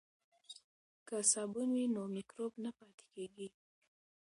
که صابون وي نو مکروب نه پاتې کیږي.